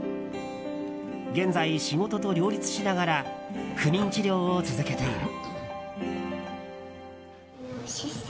現在、仕事と両立しながら不妊治療を続けている。